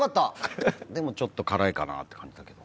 でもちょっと辛いかなって感じだけど。